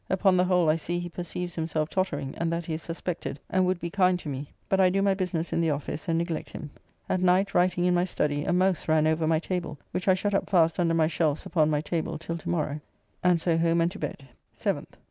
Upon the whole I see he perceives himself tottering, and that he is suspected, and would be kind to me, but I do my business in the office and neglect him. At night writing in my study a mouse ran over my table, which I shut up fast under my shelf's upon my table till to morrow, and so home and to bed. 7th.